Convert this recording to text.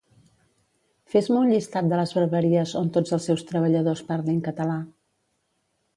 Fes-me un llistat de les barberies on tots els seus treballadors parlin català